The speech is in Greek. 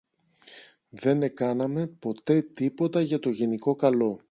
δεν εκάναμε ποτέ τίποτα για το γενικό καλό.